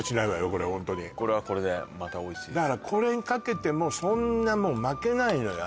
これホントにこれはこれでまたおいしいっすよねだからこれにかけてもそんな負けないのよ